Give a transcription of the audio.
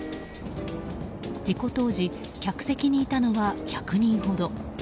事故当時客席にいたのは１００人ほど。